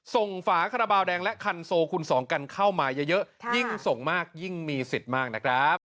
ฝาคาราบาลแดงและคันโซคูณสองกันเข้ามาเยอะยิ่งส่งมากยิ่งมีสิทธิ์มากนะครับ